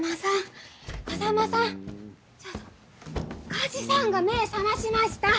梶さんが目ぇ覚ましました。